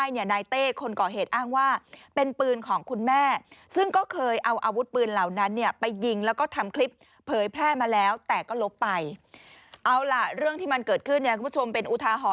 โหโหโหโหโหโหโหโหโหโหโหโหโหโหโหโหโห